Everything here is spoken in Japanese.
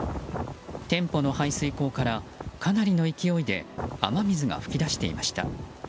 店舗の排水口からかなりの勢いで雨水が噴き出していました。